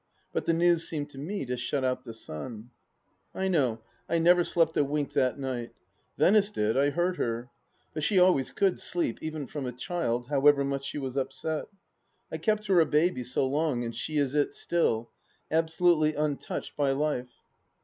But the news seemed to me to shut out the sun. ... I know I never slept a wink that night. Venice did ; I heard her. But she always could sleep, even from a child, however much she was upset. ... I kept her a baby so long, and she is it still ... absolutely untouched by Life.